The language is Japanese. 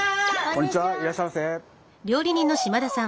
こんにちはいらっしゃいませ。